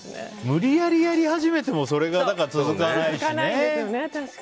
無理やり、やり始めてもそれが続かないしね。